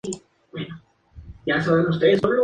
Se espera que veinticuatro equipos compitan.